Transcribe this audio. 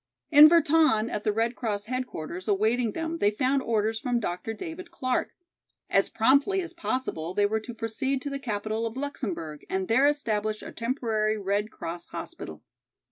In Virton, at the Red Cross headquarters, awaiting them they found orders from Dr. David Clark. As promptly as possible they were to proceed to the capital of Luxemburg and there establish a temporary Red Cross hospital.